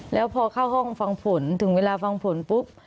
แล้วพอเข้าห้องฟังผลถึงเวลาฟังผลปุ๊บ